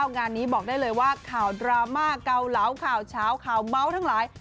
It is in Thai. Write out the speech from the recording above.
งานนี้บอกได้เลยว่าข่าวดราม่าเกาเหลาข่าวเช้าข่าวเมาส์ทั้งหลาย